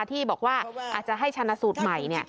ที่บอกว่าอาจจะให้ชนะสูตรใหม่